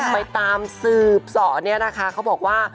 ไปตามสืบสอเนี่ยนะคะเขาบอกว่า